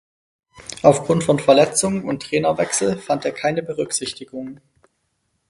Aufgrund von Verletzungen und Trainerwechsel fand er keine Berücksichtigung.